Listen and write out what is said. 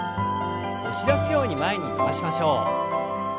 押し出すように前に伸ばしましょう。